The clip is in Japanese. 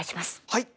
はい！